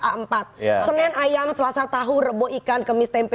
a empat ya senin ayam selasa tahu rebuh ikan kemis tempe